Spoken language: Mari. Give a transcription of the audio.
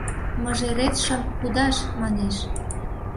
— Мыжеретшым кудаш, — манеш.